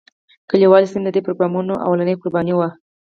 کلیوالي سیمې د دې پروګرام لومړنۍ قربانۍ وې.